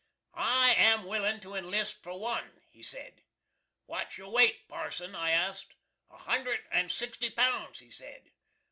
"I am willin' to inlist for one," he said. "What's your weight, parson?" I asked. "A hundred and sixty pounds," he said.